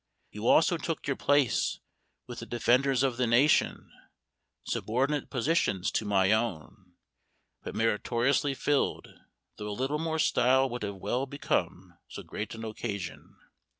You also took your place with the defenders of the nation; Subordinate positions to my own, but meritoriously filled, though a little more style would have well become so great an occasion.